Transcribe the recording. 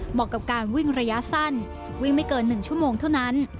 เหมาะกับการวิ่งระยะสั้นวิ่งไม่เกิน๑ชั่วโมงเท่านั้น